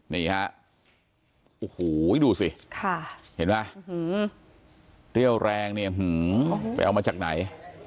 นี่ฮะโอ้โหดูสิเห็นไหมเรี่ยวแรงเนี่ยไปเอามาจากไหน